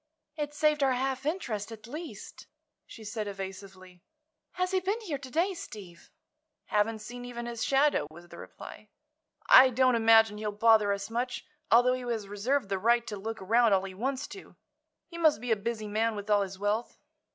"It saved our half interest, at least," she said, evasively. "Has he been here to day, Steve?" "Haven't seen even his shadow," was the reply. "I don't imagine he'll bother us much, although he has reserved the right to look around all he wants to. He must be a busy man, with all his wealth."